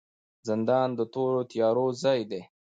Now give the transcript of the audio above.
زندان د تورو تیارو ځای دی